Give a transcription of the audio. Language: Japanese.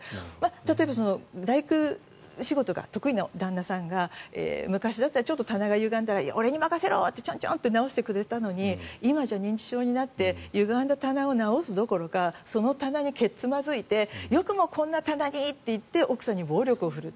例えば大工仕事が得意な旦那さんが昔だったらちょっと棚がゆがんだら俺に任せろとチョンチョンと直してくれたのに今じゃあ認知症になってゆがんだ棚を直すどころかその他なにけっつまづいてよくもこんな棚にと奥さんに暴力を振るう。